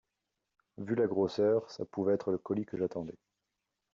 Vu la grosseur, ça pouvait être le colis que j’attendais.